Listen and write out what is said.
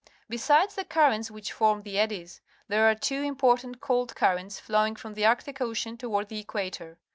Besjdes the currents which form the eddies, there are two important cold currents flowing from t he Arctic Ocean toward the equatoj.